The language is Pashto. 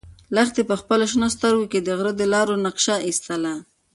لښتې په خپلو شنه سترګو کې د غره د لارو نقشه ایستله.